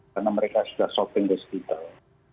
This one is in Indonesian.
karena mereka sudah shopping di hospital